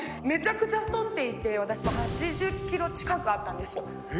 めちゃくちゃ太っていて、私も８０キロ近くあったんですよ。